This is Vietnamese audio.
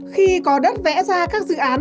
khi cỏ đất vẽ ra các dự án